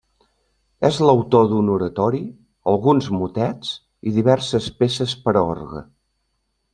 És l'autor d'un oratori, alguns motets, i diverses peces per a orgue.